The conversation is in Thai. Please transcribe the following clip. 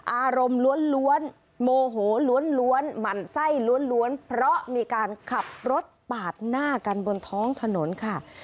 อารมณ์ล้วนโมโหล้วนหมั่นไส้ล้วนเพราะมีการขับรถปาดหน้ากันบนท้องถนนค่ะ